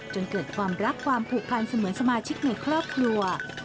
จนเกิดความรักความผูกพันเสมือนสมาชิกในครอบครัว